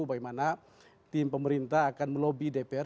karena tim pemerintah akan melobi dpr